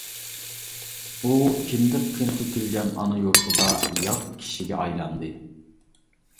ئۇ كىندىك قېنى تۆكۈلگەن ئانا يۇرتىدا يات كىشىگە ئايلاندى.